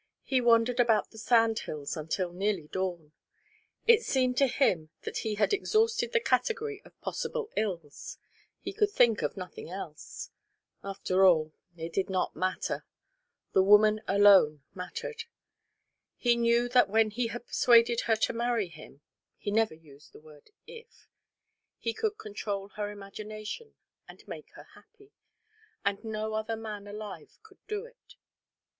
He wandered about the sand hills until nearly dawn. It seemed to him that he had exhausted the category of possible ills; he could think of nothing else. After all, it did not matter. The woman alone mattered. He knew that when he had persuaded her to marry him (he never used the word "if"), he could control her imagination and make her happy; and no other man alive could do it.